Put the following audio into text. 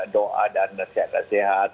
doa dan nasihat